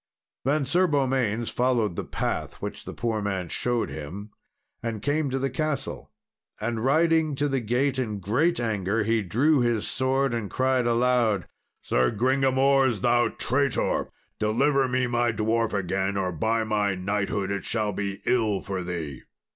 Then Sir Beaumains followed the path which the poor man showed him, and came to the castle. And riding to the gate in great anger, he drew his sword, and cried aloud, "Sir Gringamors, thou traitor! deliver me my dwarf again, or by my knighthood it shall be ill for thee!"